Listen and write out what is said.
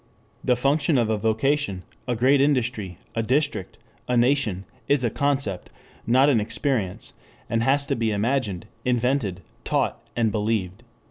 The function of a vocation, a great industry, a district, a nation is a concept, not an experience, and has to be imagined, invented, taught and believed.